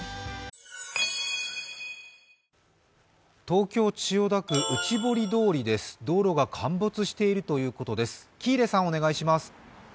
東京・千代田区内堀通りです道路が陥没しているということです。